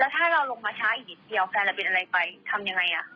ถ้าเราลงมาช้าอีกนิดเดียวแฟนเราเป็นอะไรไปทำยังไง